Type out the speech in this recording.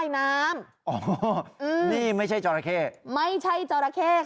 นี่ไม่ใช่เจาระแค่